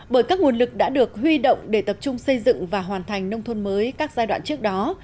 bởi các nguồn lực đã được huy động để tập trung xây dựng và hoàn thành nông thôn mới các giai đoạn trước đó